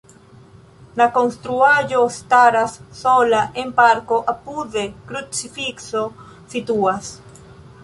La konstruaĵo staras sola en parko, apude krucifikso situas.